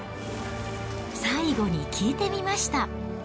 最後に聞いてみました。